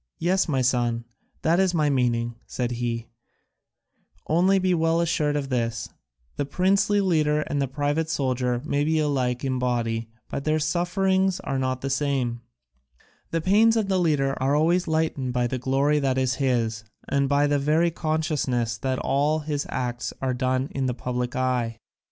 "Yes, my son, that is my meaning," said he; "only be well assured of this: the princely leader and the private soldier may be alike in body, but their sufferings are not the same: the pains of the leader are always lightened by the glory that is his and by the very consciousness that all his acts are done in the public eye."